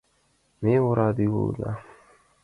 Ме ораде улына...